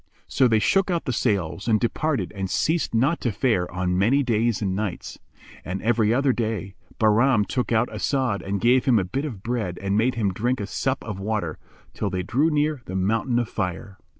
So they shook out the sails and departed and ceased not to fare on many days and nights; and, every other day, Bahram took out As'ad and gave him a bit of bread and made him drink a sup of water, till they drew near the Mountain of Fire.